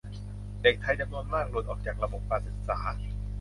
เด็กไทยจำนวนมากหลุดออกจากระบบการศึกษา